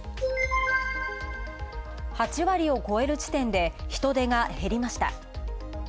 ８割を越える地点で人手が減りました。